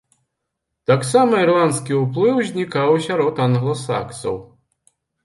Таксама ірландскі ўплыў знікаў і сярод англасаксаў.